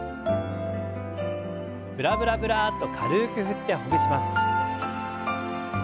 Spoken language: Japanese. ブラブラブラッと軽く振ってほぐします。